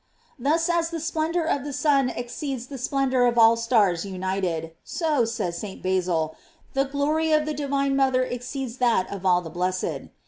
J Thus as the splendor of the sun exceeds the splendor of all stars united, so, says St. Basil, the glory of the divine mother exceeds that of all the blessed.